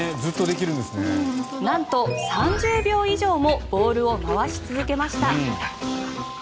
なんと３０秒以上もボウルを回し続けました。